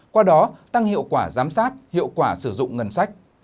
qua đó tăng hiệu quả giám sát hiệu quả sử dụng ngân sách